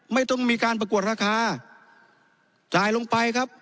ไม่ต้องมีการประกวดราคาจ่ายลงไปครับ